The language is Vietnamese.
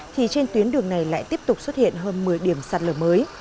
thì trên tuyến đường này lại tiếp tục xuất hiện hơn một mươi điểm sạt lở mới